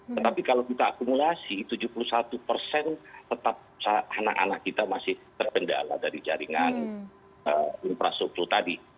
tetapi kalau kita akumulasi tujuh puluh satu persen tetap anak anak kita masih terpendala dari jaringan infrastruktur tadi